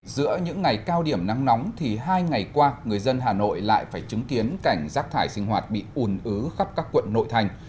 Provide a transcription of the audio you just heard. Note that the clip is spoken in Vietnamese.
giữa những ngày cao điểm nắng nóng thì hai ngày qua người dân hà nội lại phải chứng kiến cảnh rác thải sinh hoạt bị ùn ứ khắp các quận nội thành